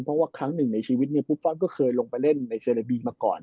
เพราะว่าครั้งหนึ่งในชีวิตเนี่ยฟุตฟอลก็เคยลงไปเล่นในเซเลบีมาก่อน